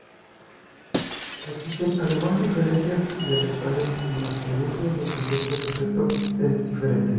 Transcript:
Existen además diferencias dialectales en las que el uso del presente perfecto es diferente.